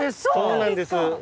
そうなんです。